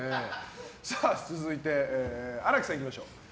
続いて、荒木さんいきましょう。